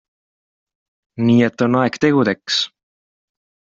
Nii et on aeg tegudeks.